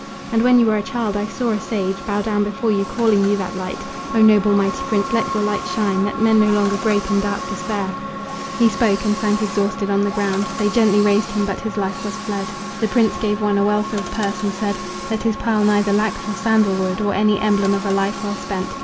And when you were a child I saw a sage Bow down before you, calling you that light. O noble, mighty prince! let your light shine, That men no longer grope in dark despair!" He spoke, and sank exhausted on the ground. They gently raised him, but his life was fled. The prince gave one a well filled purse and said: "Let his pile neither lack for sandal wood Or any emblem of a life well spent."